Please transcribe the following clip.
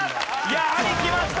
やはりきました